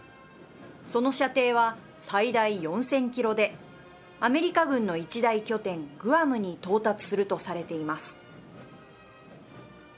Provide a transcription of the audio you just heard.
その射程は、最大４０００キロでアメリカ軍の一大拠点、グアムに到達するとされています。